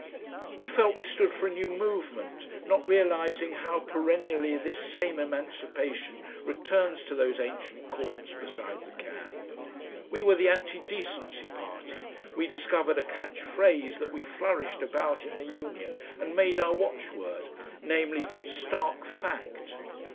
We felt we stood for a new movement, not realising how perennially this same emancipation returns to those ancient courts beside the Cam. We were the anti decency party, we discovered a catch phrase that we flourished about in the Union and made our watchword, namely, "stark fact."